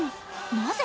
なぜ？